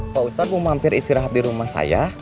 pak ustadz mau mampir istirahat di rumah saya